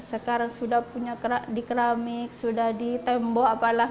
sekarang sudah punya di keramik sudah di tembok apalah